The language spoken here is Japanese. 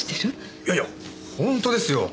いやいやホントですよ！